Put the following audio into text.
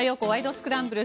スクランブル」。